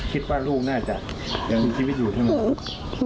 คิดว่าลูกน่าจะยังมีชีวิตอยู่ใช่ไหม